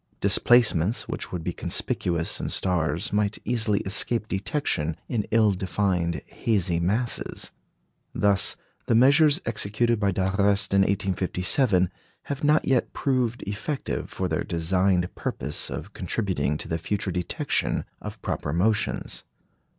Displacements which would be conspicuous in stars might easily escape detection in ill defined, hazy masses. Thus the measures executed by d'Arrest in 1857 have not yet proved effective for their designed purpose of contributing to the future detection of proper motions.